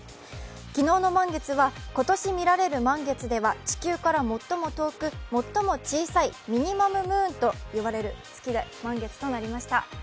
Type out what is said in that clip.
昨日の満月は今年見られる満月では地球から最も遠く、最も小さいミニマムムーンと呼ばれる満月となりました。